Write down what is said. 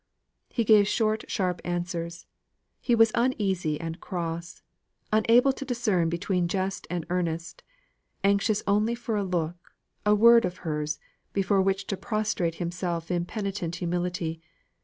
He gave short sharp answers; he was uneasy and cross, unable to discern between jest and earnest; anxious only for a look, a word of hers, before which to prostrate himself in penitent humility.